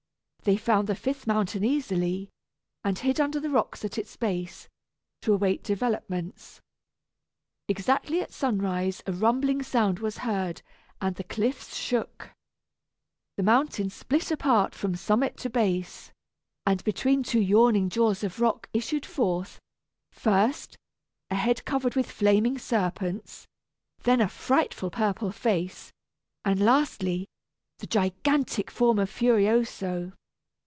They found the fifth mountain easily, and hid under the rocks at its base, to await developments. Exactly at sunrise a rumbling sound was heard, and the cliffs shook. The mountain split apart from summit to base, and between two yawning jaws of rock issued forth, first, a head covered with flaming serpents, then a frightful purple face, and lastly, the gigantic form of Furioso.